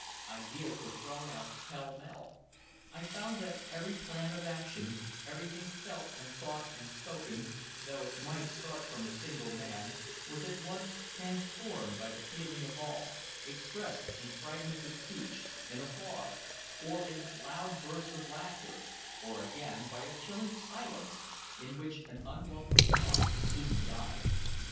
Ideas were thrown out pell mell. I found that every plan of action, everything felt and thought and spoken, though it might start from a single man, was at once transformed by the feeling of all, expressed in fragments of speech, in applause, or in loud bursts of laughter, or again by a chilling silence in which an unwelcome thought soon died.